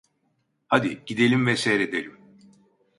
Hadi, gidelim ve seyredelim!